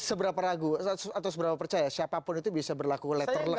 seberapa ragu atau seberapa percaya siapapun itu bisa berlaku letter lagi